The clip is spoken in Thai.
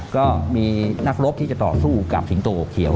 ก็มีนักรบที่จะต่อสู้กับสิงโตเขียว